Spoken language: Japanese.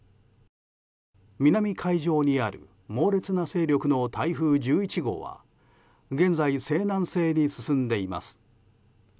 南海上にある猛烈な勢力の台風１１号は現在、西南西に進んでいます。